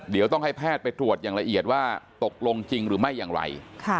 เดี๋ยวต้องให้แพทย์ไปตรวจอย่างละเอียดว่าตกลงจริงหรือไม่อย่างไร